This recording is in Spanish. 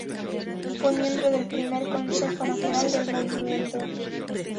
Fue miembro del primer Consejo Nacional del Movimiento.